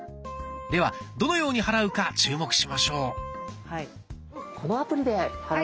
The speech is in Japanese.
ではどのように払うか注目しましょう。